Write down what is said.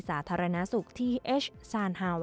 และการบริการผู้โดยสาร๑๒๗๕ราย